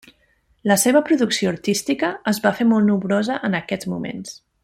La seva producció artística es va fer molt nombrosa en aquests moments.